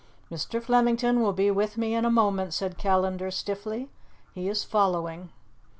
"Mr. Flemington will be with me in a moment," said Callandar stiffly. "He is following."